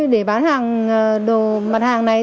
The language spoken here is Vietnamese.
để bán hàng đồ mặt hàng này